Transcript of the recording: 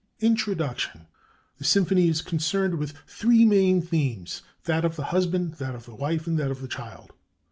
"[INTRODUCTION] "The symphony is concerned with three main themes, that of the husband, that of the wife, and that of the child.